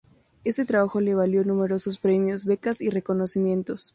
Este trabajo le valió numerosos premios, becas y reconocimientos.